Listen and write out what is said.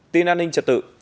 tin an ninh trật tự